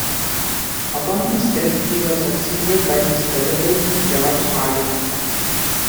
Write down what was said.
Upon his death he was succeeded by his relative George Harding.